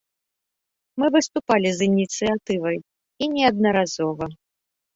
Мы выступалі з ініцыятывай і неаднаразова.